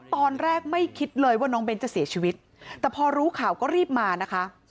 ตอนแรกไม่คิดเลยว่าน้องเบ้นจะเสียชีวิตแต่พอรู้ข่าวก็รีบมานะคะ